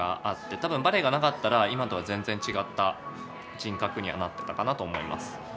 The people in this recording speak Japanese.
多分バレエがなかったら今とは全然違った人格にはなってたかなと思います。